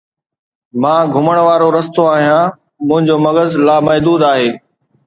مان گھمڻ وارو رستو آھيان، منھنجو مغز لامحدود آھي